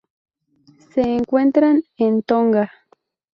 Se encuentran en Tonga.